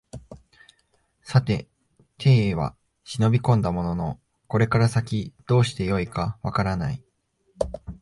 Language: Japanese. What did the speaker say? さて邸へは忍び込んだもののこれから先どうして善いか分からない